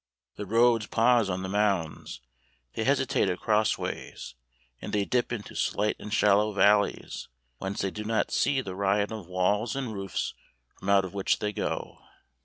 The roads pause on the mounds, they hesitate at crossways, and they dip into slight and shallow valleys, whence they do not see the riot of walls and roofs from out of which they go.